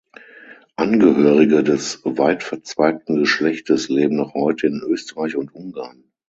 Angehörige des weitverzweigten Geschlechtes leben noch heute in Österreich und Ungarn.